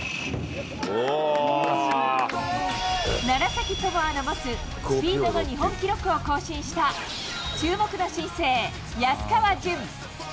楢崎智亜の持つスピードの日本記録を更新した注目の新星、安川潤。